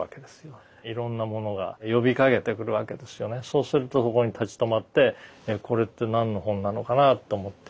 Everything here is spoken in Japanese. そうするとそこに立ち止まってこれって何の本なのかなと思って読みながら。